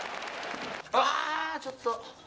あー、ちょっと。